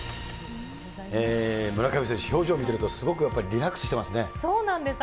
村上選手、表情見てると、すごくやっぱりリラックスしてますね。